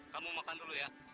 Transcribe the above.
kamu makan dulu ya